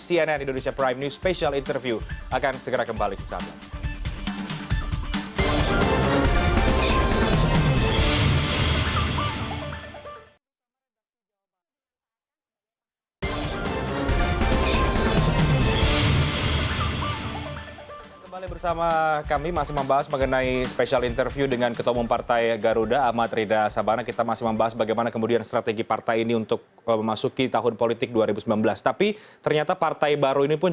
cnn indonesia prime news special interview akan segera kembali sesaat ini